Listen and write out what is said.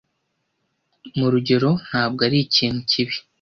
Murugero ntabwo arikintu kibi